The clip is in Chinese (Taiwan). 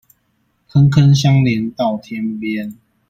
坑坑相連到天邊